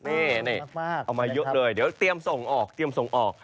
เอามาเยอะเลยเดี๋ยวเตรียมส่งออก